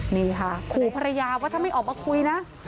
นี่ค่ะขู่ภรรยาว่าถ้าไม่ออกมาคุยนะ